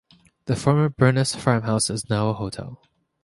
The former Byrness farmhouse is now a hotel.